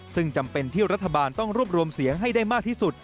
ซึ่งจำเป็นที่รัฐบาลต้องรวบรวมเสียงให้ได้มากที่สุด